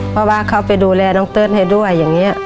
เพราะว่าเขาไปดูแลน้องเติ้ลให้ด้วยอย่างนี้